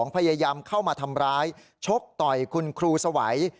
พยายามเข้ามาทำร้ายชกต่อยคุณครูสวัย